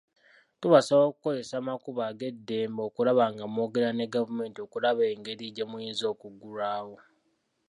Tubasaba okukozesa amakubo ag'eddembe okulaba nga mwogera ne gavumenti okulaba egeri gye muyinza okuggulwawo.